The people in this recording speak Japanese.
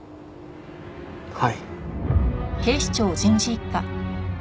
はい。